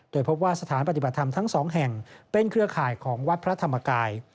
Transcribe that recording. โดยพบว่าสถานปฏิบัติธรรมทั้งสองแห่งเป็นเครือข่ายของวัดพระธรรมกาย